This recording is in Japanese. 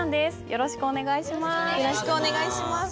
よろしくお願いします。